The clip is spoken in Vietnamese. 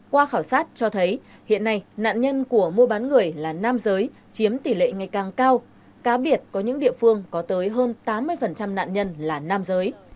qua khảo sát cho thấy hiện nay nạn nhân của mua bán người là nam giới chiếm tỷ lệ ngày càng cao cá biệt có những địa phương có tới hơn tám mươi nạn nhân là nam giới